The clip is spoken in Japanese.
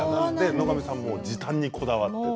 野上さんも時短にこだわっていると。